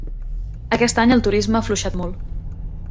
Aquest any el turisme ha afluixat molt.